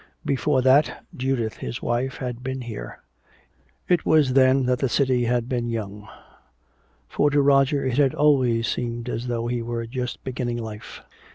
Before that, Judith his wife had been here. It was then that the city had been young, for to Roger it had always seemed as though he were just beginning life.